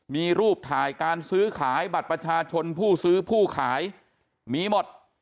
มีรูปถ่ายการซื้อขายบัตรประชาชนผู้ซื้อผู้ขายมีหมด